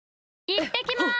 いってきます！